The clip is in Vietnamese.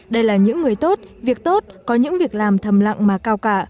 đây là những người tốt việc tốt có những việc làm thầm lặng mà cao cả